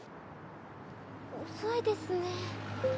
遅いですね。